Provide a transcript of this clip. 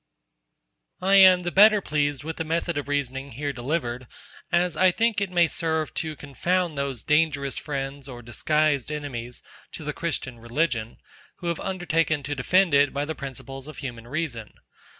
lib. ii. aph. 29. 100. I am the better pleased with the method of reasoning here delivered, as I think it may serve to confound those dangerous friends or disguised enemies to the Christian Religion, who have undertaken to defend it by the principles of human reason.